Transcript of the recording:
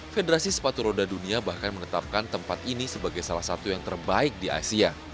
federasi sepatu roda dunia bahkan menetapkan tempat ini sebagai salah satu yang terbaik di asia